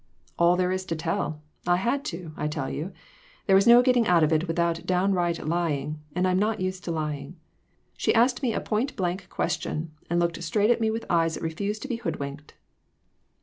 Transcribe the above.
"All there is to tell; I had to, I tell you. There was no getting out of it without downright lying; and I'm not used to lying. She asked me a point blank question, and looked straight at me with eyes that refused to be hoodwinked."